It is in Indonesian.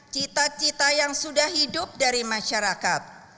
cita cita yang sudah hidup dari masyarakat